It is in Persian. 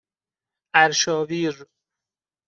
ارشاویر